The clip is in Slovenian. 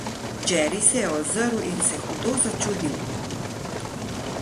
Jerry se je ozrl in se hudo začudil.